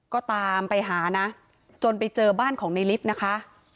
ก็ตามไปหานะจนไปเจอบ้านของในลิฟต์นะคะ